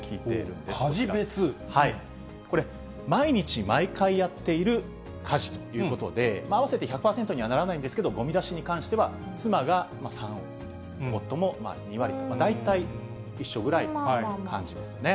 これ、毎日、毎回やっている家事ということで、合わせて１００％にはならないんですけど、ごみ出しに関しては妻が３割、夫も２割と、大体一緒ぐらいな感じですね。